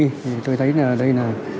thì tôi thấy là đây là